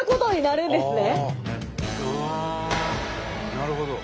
なるほど！